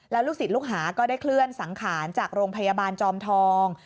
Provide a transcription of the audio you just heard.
แล้วลูกศิษย์ลูกหาก็ได้เคลื่อนสังขารจากโรงพยาบาลจอมทอง